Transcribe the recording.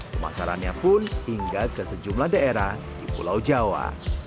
pemasarannya pun hingga ke sejumlah daerah di pulau jawa